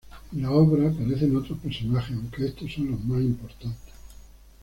En la obra aparecen otros personajes, aunque estos son los más importantes.